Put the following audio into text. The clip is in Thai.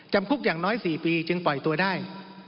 คุกอย่างน้อย๔ปีจึงปล่อยตัวได้